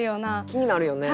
気になるよね。